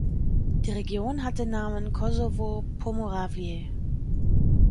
Die Region hat den Namen Kosovo Pomoravlje.